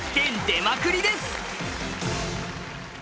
出まくりです！